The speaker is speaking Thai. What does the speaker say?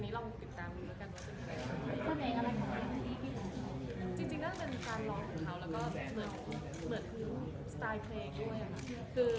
พี่แดนไม่อยากให้เขาก็ไม่มีโอกาสได้ไปดู